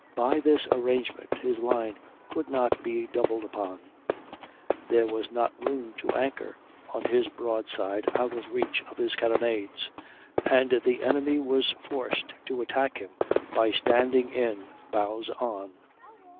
By this arrangement his line could not be doubled upon, there was not room to anchor on his broadside out of reach of his carronades, and the enemy was forced to attack him by standing in bows on.